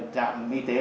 đảng y tế